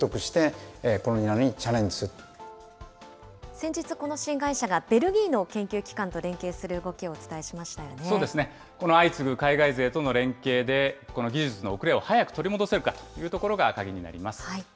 先日、この新会社がベルギーの研究機関と連携する動きをお伝えしましたこの相次ぐ海外勢との連携で、この技術の後れを早く取り戻せるかというところが鍵になります。